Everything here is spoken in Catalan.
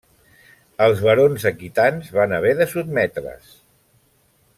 Els barons aquitans van haver de sotmetre's.